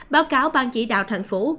báo cáo bang chỉ đạo thành phố